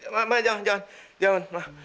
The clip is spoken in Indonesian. ma jangan jangan